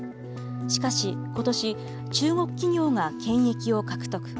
しかし、ことし、中国企業が権益を獲得。